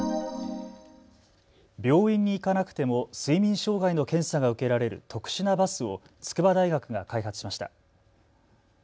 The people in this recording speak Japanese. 病院に行かなくても睡眠障害の検査が受けられる特殊なバスを筑波大学が開発しました。